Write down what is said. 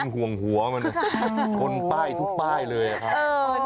ห่วงหัวมันชนป้ายทุกป้ายเลยอะครับ